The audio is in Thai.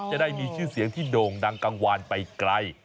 จะได้มีชื่อเสียงที่โด่งดังกลางวานไปไกล